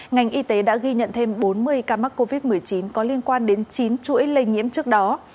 ngành y tế đã ghi nhận thêm bốn mươi ca mắc covid một mươi chín có liên quan đến chín chuỗi lây nhiễm trước đó